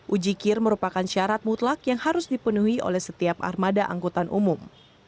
ujikir merupakan syarat mutlak yang harus dipenuhi oleh setiap armada angkutan umum